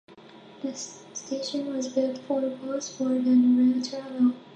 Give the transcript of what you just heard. The station was built for both boat and rail travel.